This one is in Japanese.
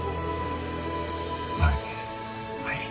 はい。